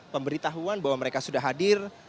pemberitahuan bahwa mereka sudah hadir